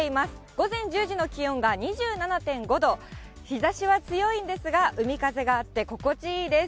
午前１０時の気温が２７．５度、日ざしは強いんですが、海風があって心地いいです。